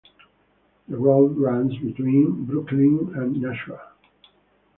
The road runs between Brookline and Nashua.